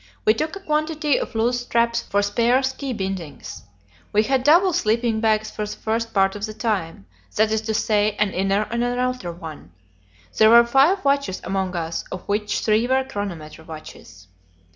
We took a quantity of loose straps for spare ski bindings. We had double sleeping bags for the first part of the time; that is to say, an inner and an outer one. There were five watches among us, of which three were chronometer watches.